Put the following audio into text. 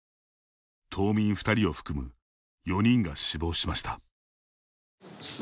島民２人を含む４人が死亡しました。